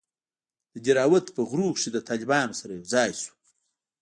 د دهراوت په غرونوکښې له طالبانو سره يوځاى سو.